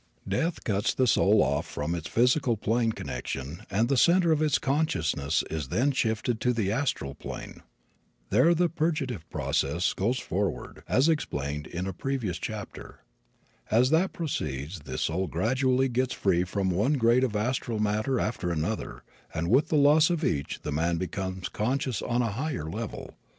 Death cuts the soul off from its physical plane connection and the center of its consciousness is then shifted to the astral plane. There the purgative process goes forward, as explained in a previous chapter. As that proceeds the soul gradually gets free from one grade of astral matter after another and with the loss of each the man becomes conscious on a higher level.